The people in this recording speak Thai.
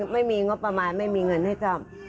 ไม่มีงบประมาณไม่มีเงินให้ซ่อม